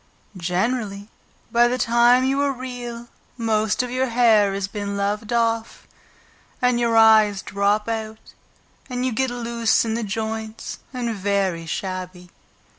Generally, by the time you are Real, most of your hair has been loved off, and your eyes drop out and you get loose in the joints and very shabby.